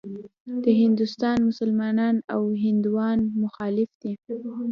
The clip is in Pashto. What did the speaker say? د هندوستان مسلمانان او هندوان مخالف دي.